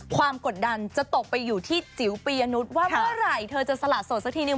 กดดันจะตกไปอยู่ที่จิ๋วปียนุษย์ว่าเมื่อไหร่เธอจะสละโสดสักทีนึง